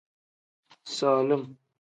Solim.